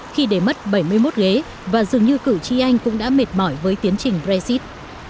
khi để mất bảy mươi một ghế và dường như cử tri anh cũng đã mệt mỏi với tiến trình brexit